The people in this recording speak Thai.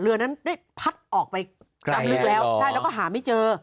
เรือนั้นได้พัดออกไปตามลึกแล้วใช่แล้วก็หาไม่เจอ